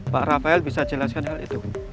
pak rafael bisa jelaskan hal itu